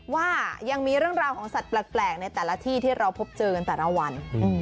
ว่ายังมีเรื่องราวของสัตว์แปลกในแต่ละที่ที่เราพบเจอกันแต่ละวัน